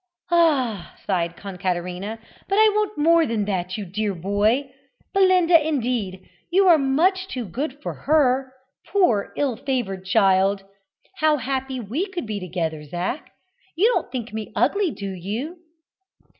"Ah!" sighed Concaterina, "but I want more than that, you dear boy. Belinda, indeed! you are much too good for her, poor ill favoured, child! How happy we could be together, Zac. You don't think me ugly, do you?"